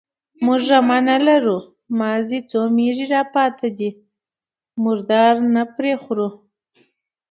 _موږ رمه نه لرو، مازې څو مېږې راپاتې دي، مردار نه پرې خورو.